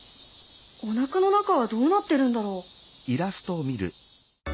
おなかの中はどうなってるんだろう？